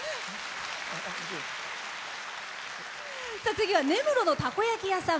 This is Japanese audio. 次は根室のたこ焼き屋さん。